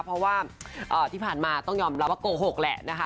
เพราะว่าที่ผ่านมาต้องยอมรับว่าโกหกแหละนะคะ